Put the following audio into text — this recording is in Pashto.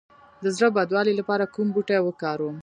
د زړه بدوالي لپاره کوم بوټی وکاروم؟